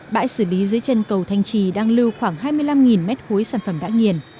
bãi xử lý dưới chân cầu thanh trì đang lưu khoảng hai mươi năm mét khối sản phẩm đã nghiền